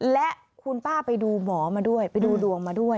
และคุณป้าไปดูหมอมาด้วยไปดูดวงมาด้วย